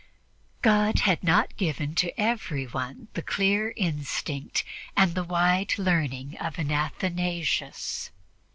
God had not given to everyone the clear instinct and the wide learning of an Athanasius.